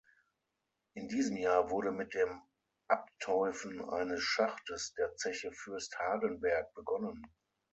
In diesem Jahr wurde mit dem Abteufen eines Schachtes der Zeche Fürst Hardenberg begonnen.